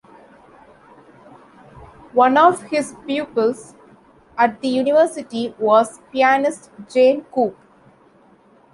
One of his pupils at the university was pianist Jane Coop.